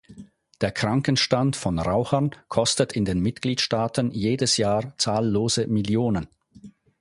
Der Krankenstand von Rauchern kostet in den Mitgliedstaaten jedes Jahr zahllose Millionen.